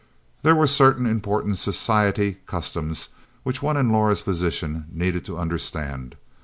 There were certain important "society" customs which one in Laura's position needed to understand.